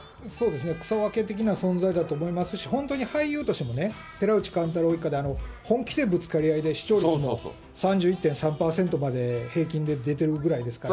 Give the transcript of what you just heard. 草分け的な存在だと思いますし、本当に俳優としても、寺内貫太郎一家も本気でぶつかり合いで、視聴率も３１．３％まで平均で出てるくらいですから。